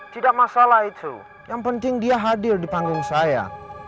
tidak masalah itu yang penting dia hadir di panggung saya